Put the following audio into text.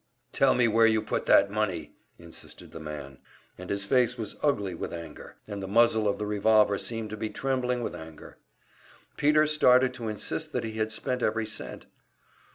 "Tell me where you put that money!" insisted the man, and his face was ugly with anger, and the muzzle of the revolver seemed to be trembling with anger. Peter started to insist that he had spent every cent.